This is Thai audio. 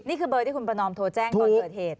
นี่คือเบอร์ที่คุณประนอมโทรแจ้งตอนเกิดเหตุ